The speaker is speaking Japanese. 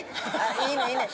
いいねんいいねん！